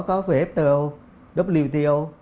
có vfto wto